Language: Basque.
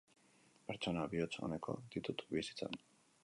Pertsona bihotz-onekoak ditut bizitzan.